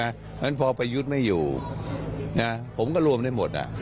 เพราะฉะนั้นพอประยุทธ์ไม่อยู่ผมก็รวมได้หมด